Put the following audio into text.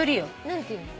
何ていうの？